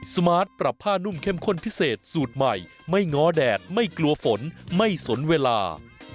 สมาร์ทปรับผ้านุ่มเข้มข้นพิเศษสูตรใหม่ไม่ง้อแดดไม่กลัวฝนไม่สนเวลา